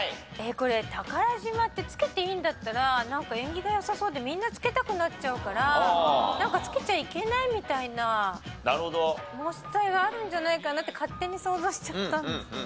これ宝島って付けていいんだったら縁起が良さそうでみんな付けたくなっちゃうから付けちゃいけないみたいな申し伝えがあるんじゃないかなって勝手に想像しちゃったんですよね。